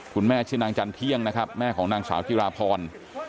คุณแม่ชื่อนางจันเที่ยงนะครับแม่ของนางสาวจิราพร